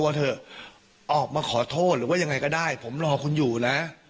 เถอะออกมาขอโทษหรือว่ายังไงก็ได้ผมรอคุณอยู่นะ